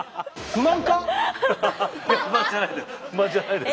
不満じゃないです。